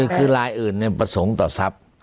คือลายอื่นประสงค์ต่อทรัพย์